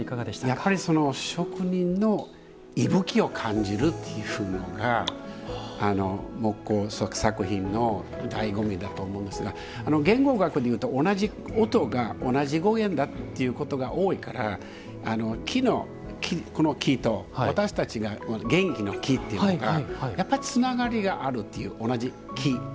やっぱり職人の息吹を感じるというのが木工作品のだいご味だと思うんですが言語学でいうと同じ音が同じ語源だということが多いからこの木と私たちの元気の「き」っていうのがやっぱりつながりがあるっていう同じ「き」。